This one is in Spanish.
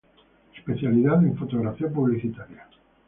Especialidad en fotografía publicitaria.